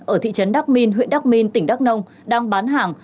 ở thị trấn đắk minh huyện đắk minh tỉnh đắk nông đang bán hàng